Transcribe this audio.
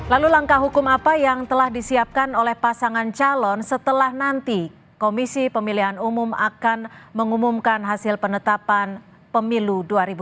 lalu langkah hukum apa yang telah disiapkan oleh pasangan calon setelah nanti komisi pemilihan umum akan mengumumkan hasil penetapan pemilu dua ribu dua puluh